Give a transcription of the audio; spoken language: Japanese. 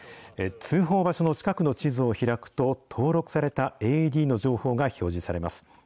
通報場所の近くの地図を開くと、登録されたＡＥＤの情報が表示されます。